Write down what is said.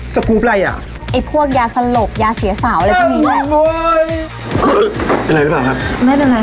สกูปไรอ่ะไอ้พวกยาสลบยาเสียสาวอะไรพวกนี้เป็นไรหรือเปล่าครับ